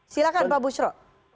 silahkan pak bushro